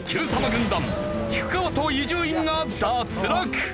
軍団菊川と伊集院が脱落！